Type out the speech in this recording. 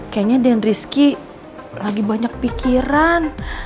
kayaknya dan rizky lagi banyak pikiran